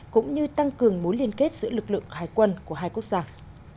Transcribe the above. cũng như tăng cường mối liên kết giữa lực lượng hải quân của hai quốc gia